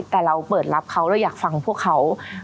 แต่เราเปิดรับเขาเราอยากฟังพวกเขา